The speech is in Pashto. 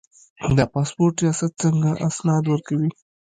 د پاسپورت ریاست څنګه اسناد ورکوي؟